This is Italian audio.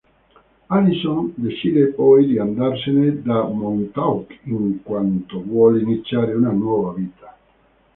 Alison decide poi di andarsene da Montauk in quanto vuole iniziare una nuova vita.